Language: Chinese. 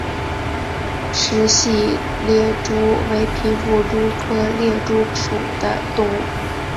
石隙掠蛛为平腹蛛科掠蛛属的动物。